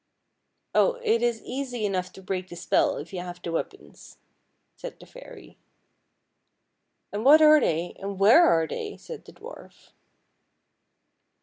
"" Oh, it is easy enough to break the spell if you have the weapons," said the fairy. " And what are they, and where are they? " said the dwarf.